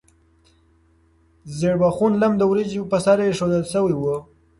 ژیړبخون لم د وریجو په سر ایښودل شوی و.